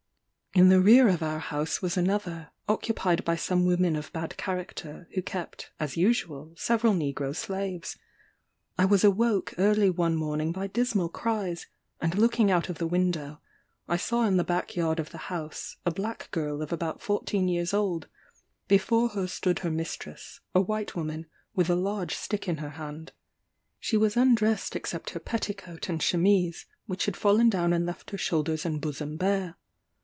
"In the rear of our house was another, occupied by some women of bad character, who kept, as usual, several negro slaves. I was awoke early one morning by dismal cries, and looking out of the window, I saw in the back yard of the house, a black girl of about fourteen years old; before her stood her mistress, a white woman, with a large stick in her hand. She was undressed except her petticoat and chemise, which had fallen down and left her shoulders and bosom bare.